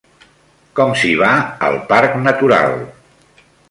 Com s'hi va al Parc Natural?